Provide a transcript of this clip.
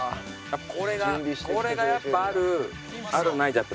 これがこれがやっぱある。